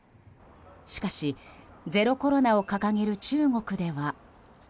しかし、ゼロコロナを掲げる中国では。